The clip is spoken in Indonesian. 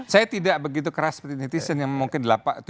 saya tidak begitu keras seperti netizen yang mungkin tujuh puluh delapan puluh